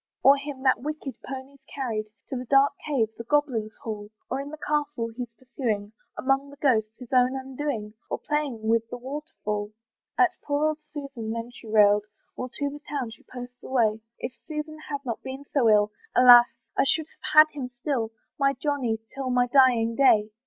"Or him that wicked pony's carried "To the dark cave, the goblins' hall, "Or in the castle he's pursuing, "Among the ghosts, his own undoing; "Or playing with the waterfall." At poor old Susan then she railed, While to the town she posts away; "If Susan had not been so ill, "Alas! I should have had him still, "My Johnny, till my dying day."